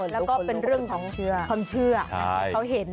แล้วก็เป็นเรื่องของความเชื่อ